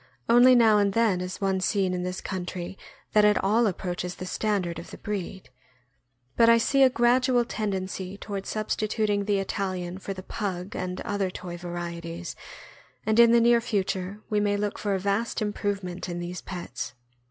Only now and then is one seen in this country that at all approaches the standard of the breed; but I see a gradual tendency toward substituting the Italian for the Pug and other toy varieties, and in the near future we may look for a vast improvement in these pets.